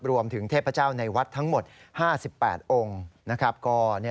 รวมถึงเทพเจ้าในวัดทั้งหมด๕๘องค์